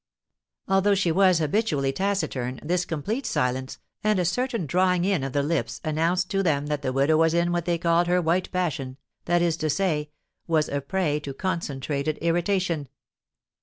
Although she was habitually taciturn, this complete silence, and a certain drawing in of the lips, announced to them that the widow was in what they called her white passion, that is to say, was a prey to concentrated irritation.